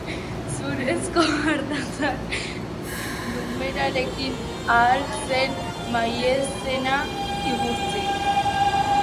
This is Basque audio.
Zurezko ardatzak lumerarekin ahal zen maizena igurtzi.